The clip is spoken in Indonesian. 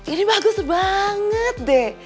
ini bagus banget deh